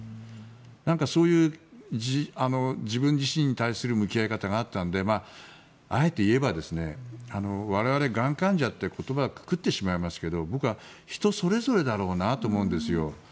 なんかそういう自分自身に対する向き合い方があったのであえて言えば我々、がん患者って言葉をくくってしまいますが僕は人それぞれだろうなと思うんですよ。